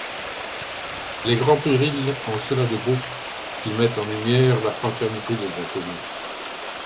Les grands périls ont cela de beau qu'ils mettent en lumière la fraternité des inconnus.